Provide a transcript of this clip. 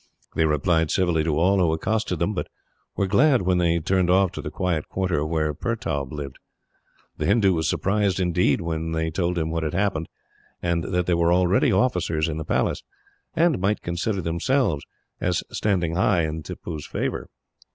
They replied civilly to all who accosted them, but were glad when they turned off to the quiet quarter where Pertaub lived. The Hindoo was surprised, indeed, when they told him what had happened, and that they were already officers in the Palace, and might consider themselves as standing high in Tippoo's favour.